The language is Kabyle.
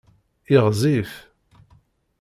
Iɣzif.